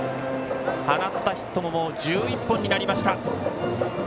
放ったヒットも１１本になりました。